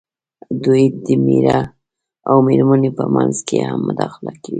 دوی د مېړۀ او مېرمنې په منځ کې هم مداخله کوي.